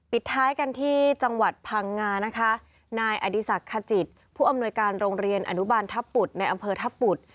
ท้ายกันที่จังหวัดพังงานะคะนายอดีศักดิ์ขจิตผู้อำนวยการโรงเรียนอนุบาลทัพบุตรในอำเภอทัพบุตร